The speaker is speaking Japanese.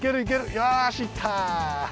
よしいった。